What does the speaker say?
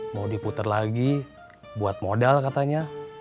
mau diputar lagi buat modal katanya